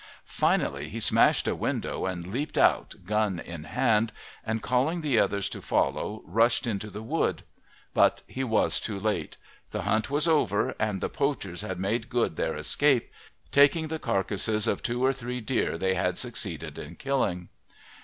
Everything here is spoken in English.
Finally he smashed a window and leaped out, gun in hand, and calling the others to follow rushed into the wood. But he was too late; the hunt was over and the poachers had made good their escape, taking the carcasses of two or three deer they had succeeded in killing.